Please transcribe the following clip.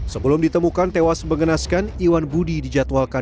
sebelum ditemukan tewas mengenaskan iwan budi dijadwalkan